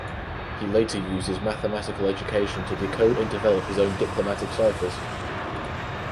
He later used his mathematical education to decode and develop his own diplomatic ciphers.